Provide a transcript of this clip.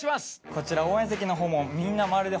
こちら応援席のほうもみんなまるで。